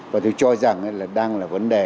và tôi cho rằng là đang là vấn đề